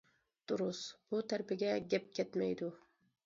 - دۇرۇس، بۇ تەرىپىگە گەپ كەتمەيدۇ.